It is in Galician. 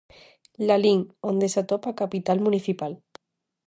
Lalín, onde se atopa á capital municipal.